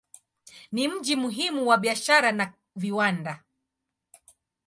Ni mji muhimu wa biashara na viwanda.